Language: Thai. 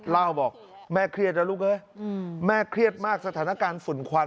ลาวบอกแม่เครียดแล้วลูกเอ๊ะอืมแม่เครียดมากสถานการณ์ฝุ่นควัน